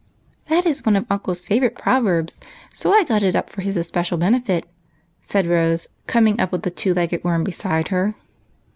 " That is one of uncle's favorite proverbs, so I got it up for his especial benefit," said Rose, coming ujj with the two legged worm beside her.